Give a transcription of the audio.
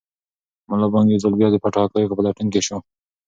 ملا بانګ یو ځل بیا د پټو حقایقو په لټون کې شو.